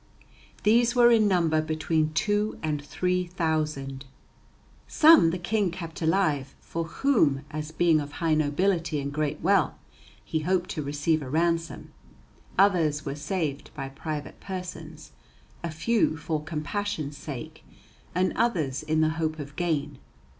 These were in number between two and three thousand. Some the King kept alive, for whom, as being of high nobility and great wealth, he hoped to receive a ransom; others were saved by private persons, a few for compassion's sake; and others in the hope of gain.